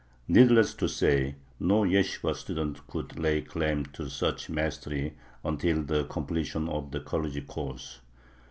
Needless to say, no yeshibah student could lay claim to such mastery until the completion of the college course.